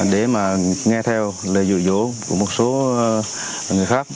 để mà nghe theo lời rụ rỗ của một số người khác